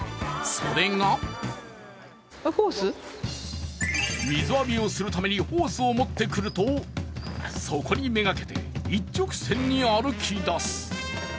それが水浴びをするためにホースを持ってくると、そこにめがけて一直線に歩き出す。